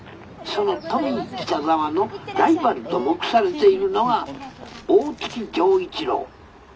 「そのトミー北沢のライバルと目されているのが大月錠一郎。